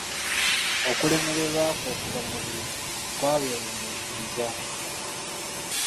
Okulemererwa kwe okuva mu buliri kwabeewuniikirizza.